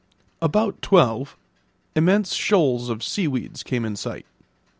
About twelve, immense shoals of seaweeds came in sight.